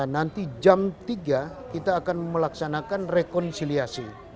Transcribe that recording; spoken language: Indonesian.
nanti jam tiga kita akan melaksanakan rekonsiliasi